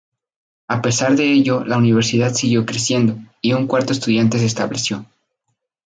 A pesar de ello, la Universidad siguió creciendo, y un cuarto estudiante se estableció.